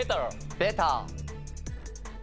ベター。